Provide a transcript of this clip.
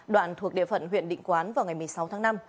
đoạn thuộc địa phận huyện định quán vào ngày một mươi sáu tháng năm